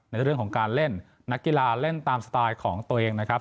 ในเรื่องของการเล่นนักกีฬาเล่นตามสไตล์ของตัวเองนะครับ